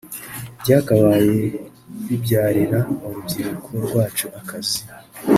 byakabaye bibyarira urubyiruko rwacu akazi